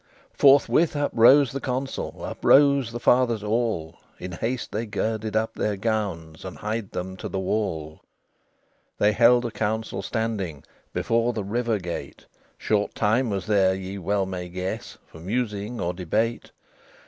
Forthwith up rose the Consul, Up rose the Fathers all; In haste they girded up their gowns, And hied them to the wall. XIX They held a council standing, Before the River Gate; Short time was there, ye well may guess, For musing or debate.